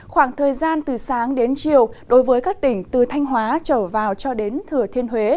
khoảng thời gian từ sáng đến chiều đối với các tỉnh từ thanh hóa trở vào cho đến thừa thiên huế